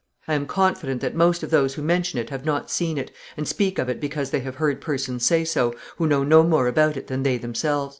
I am confident that most of those who mention it have not seen it, and speak of it because they have heard persons say so, who know no more about it than they themselves....